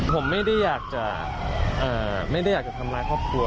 ผมไม่ได้อยากจะทำร้ายครอบครัว